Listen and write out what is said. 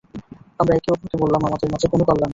আমরা একে অপরকে বললাম, আমাদের মাঝে কোন কল্যাণ নেই।